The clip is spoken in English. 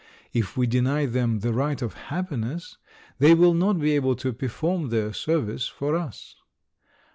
If we deny them the right of happiness they will not be able to perform their service for us.